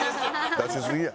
出しすぎや。